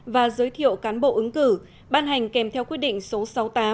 và giới thiệu cán bộ ứng cử ban hành kèm theo quyết định số sáu mươi tám